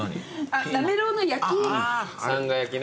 あっなめろうの焼き。